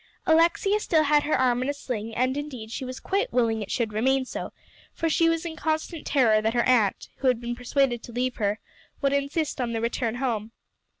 Alexia still had her arm in a sling; and indeed she was quite willing it should remain so, for she was in constant terror that her aunt, who had been persuaded to leave her, would insist on the return home.